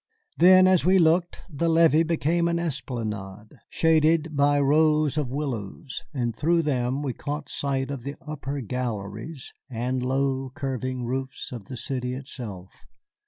Then, as we looked, the levee became an esplanade shaded by rows of willows, and through them we caught sight of the upper galleries and low, curving roofs of the city itself.